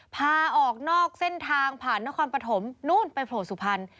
พาออกนอกเส้นทางผ่านนครปฐมนู่นไปโผล่สุพรรณ